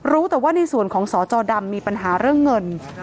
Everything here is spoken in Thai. รู้แต่ว่าในส่วนของสจดำมีปัญหาเรื่องเงิน